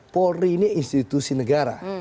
polri ini institusi negara